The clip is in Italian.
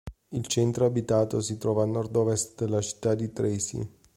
Il centro abitato si trova a nord-ovest della città di Tracy.